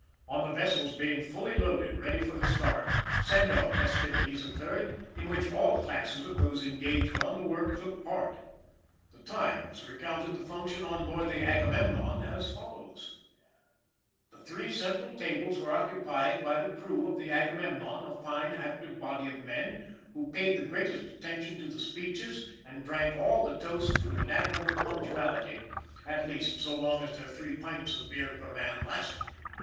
] On the vessels being fully loaded ready for the start, "send off" festivities occurred, in which all classes of those engaged on the work took part. The Times recounted the function on board the Agamemnon as follows: The three central tables were occupied by the crew of the Agamemnon, a fine, active body of men, who paid the greatest attention to the speeches, and drank all the toasts with an admirable punctuality at least, so long as their three pints of beer per man lasted.